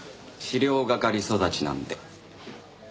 資料係育ちなんで。